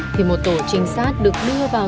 thì một tổ trinh sát được đưa vào